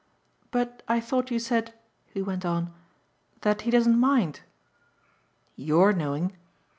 "But I thought you said," he went on, "that he doesn't mind." "YOUR knowing?